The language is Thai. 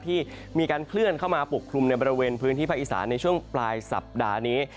ที่มีการเคลื่อนเข้ามาปกคลุมในบริเวณพื้นที่ภาคอีสานในช่วงปลายสัปดาห์นี้